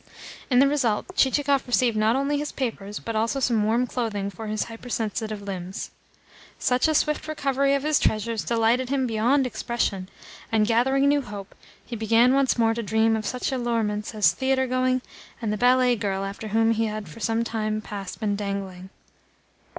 In the result Chichikov received not only his papers, but also some warm clothing for his hypersensitive limbs. Such a swift recovery of his treasures delighted him beyond expression, and, gathering new hope, he began once more to dream of such allurements as theatre going and the ballet girl after whom he had for some time past been dangling.